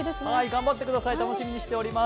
頑張ってください。